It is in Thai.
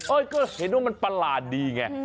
ก็เห็นว่ามันประหลาดดีไง